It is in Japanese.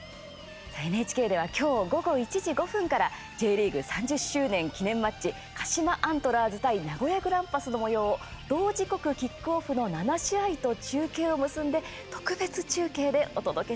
ＮＨＫでは今日、午後１時５分からＪリーグ３０周年記念マッチ鹿島アントラーズ対名古屋グランパスのもようを同時刻キックオフの７試合と中継を結んで特別中継でお届けします。